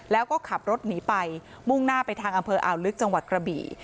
แล้วก็ขับรถหนีไปมุ่งหน้าไปทางอำเภออ่าวลึกจังหวัดกระบี่